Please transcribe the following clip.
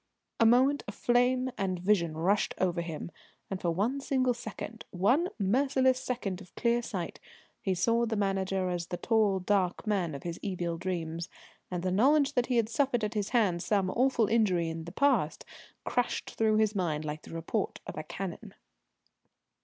A moment of flame and vision rushed over him, and for one single second one merciless second of clear sight he saw the Manager as the tall dark man of his evil dreams, and the knowledge that he had suffered at his hands some awful injury in the past crashed through his mind like the report of a cannon.